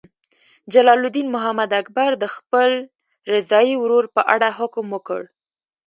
جلال الدین محمد اکبر د خپل رضاعي ورور په اړه حکم وکړ.